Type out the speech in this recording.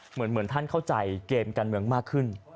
เหมือนท่านเข้าใจเกมการเมืองมากขึ้น